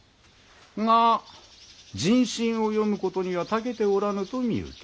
が人心を読むことにはたけておらぬと見受ける。